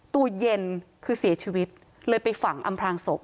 ตัวเย็นคือเสียชีวิตเลยไปฝังอำพลางศพ